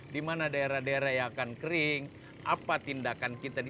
di mana daerah daerah yang akan kering apa tindakan kita di